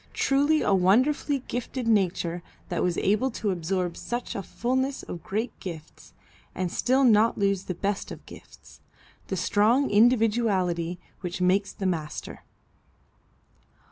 Truly a wonderfully gifted nature that was able to absorb such a fulness of great gifts and still not lose the best of gifts the strong individuality which makes the master."